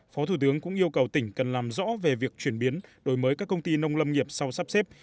phó thủ tướng cũng yêu cầu tỉnh cần làm rõ về việc chuyển biến đổi mới các công ty nông lâm nghiệp sau sắp xếp